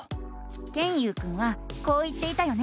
ケンユウくんはこう言っていたよね。